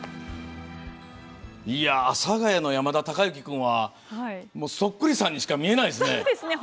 阿佐ヶ谷の山田孝之君はそっくりさんにしか見えないですね。